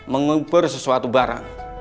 mengumpul sesuatu barang